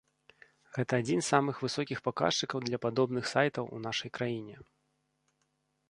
Гэта адзін з самых высокіх паказчыкаў для падобных сайтаў у нашай краіне.